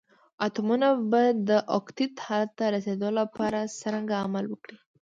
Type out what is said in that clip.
اتومونه به د اوکتیت حالت ته رسیدول لپاره څرنګه عمل وکړي؟